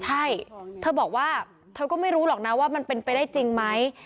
ใช่เธอบอกว่าเธอก็ไม่รู้หรอกนะว่ามันเป็นไปได้จริงไหม